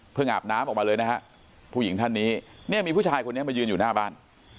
อาบน้ำออกมาเลยนะฮะผู้หญิงท่านนี้เนี่ยมีผู้ชายคนนี้มายืนอยู่หน้าบ้าน